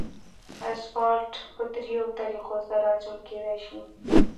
اسفالټ په دریو طریقو سره اچول کېدای شي